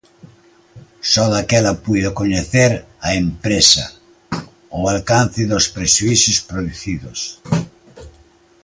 Só daquela puido coñecer a empresa "o alcance dos prexuízos producidos".